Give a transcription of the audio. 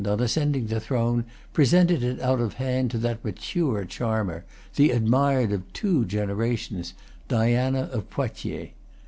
on ascending the throne, presented it out of hand to that mature charmer, the admired of two generations, Diana of Poitiers.